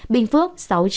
bình phước sáu trăm một mươi